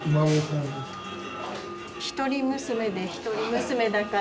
一人娘で一人娘だから。